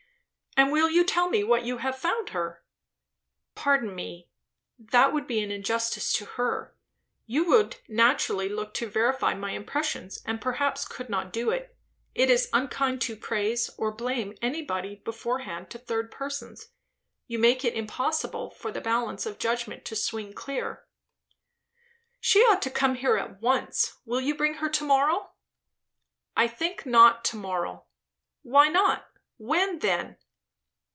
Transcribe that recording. "And will you tell me what you have found her?" "Pardon me; that would be an injustice to her. You would naturally look to verify my impressions, and perhaps could not do it. It is unkind to praise or blame anybody beforehand to third persons. You make it impossible for the balance of judgment to swing clear." "She ought to come here at once. Will you bring her to morrow?" "I think not to morrow." "Why not? When, then?"